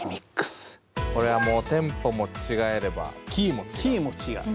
これはもうテンポも違えればキーも違う。